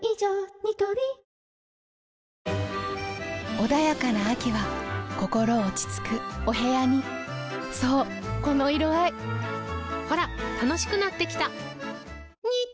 ニトリ穏やかな秋は心落ち着くお部屋にそうこの色合いほら楽しくなってきた！